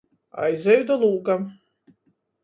Aizeju da lūgam.